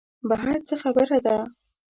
بهر څه خبره ده.